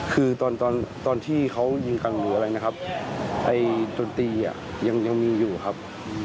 คือตอนตอนที่เขายิงกันหรืออะไรนะครับไอ้ดนตรียังมีอยู่ครับ